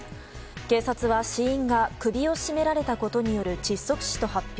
警察は死因が首を絞められたことによる窒息死と発表。